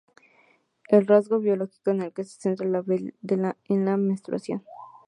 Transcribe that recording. El rasgo biológico en el que se centra La Belle es la menstruación.